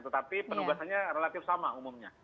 tetapi penugasannya relatif sama umumnya